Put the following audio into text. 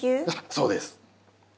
そうです。